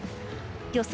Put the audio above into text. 予想